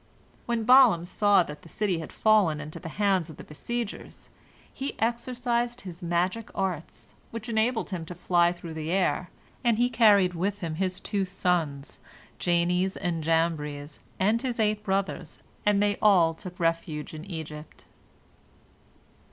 When Balaam saw that the city had fallen into the hands of the besiegers, he exercised his magic arts, which enabled him to fly through the air, and he carried with him his two sons, Jannes and Jambres, and his eight brothers, and they all took refuge in Egypt.